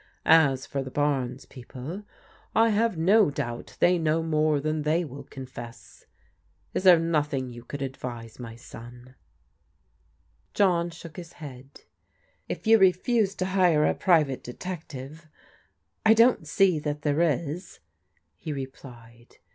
As for the Barnes people, I have no doubt they know more than they will confess. Is there nothing you could advise, my son ?" John shook his head. " If you refuse to hire a private detective I don't see that there is," he replied.